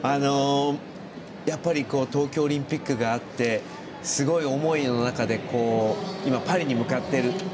やっぱり東京オリンピックがあってすごい思いの中で今、パリに向かっている。